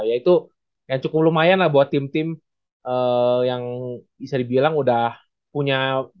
ya itu yang cukup lumayan lah buat tim tim yang bisa dibilang udah punya